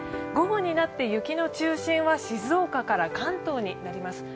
午後になって雪の中心は静岡から関東になります。